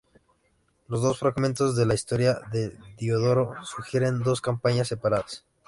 Los dos fragmentos de la historia de Diodoro sugieren dos campañas separadas.